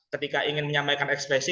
ketika ingin menyampaikan ekspresi